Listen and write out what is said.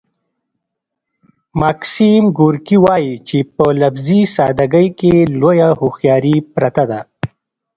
ماکسیم ګورکي وايي چې په لفظي ساده ګۍ کې لویه هوښیاري پرته ده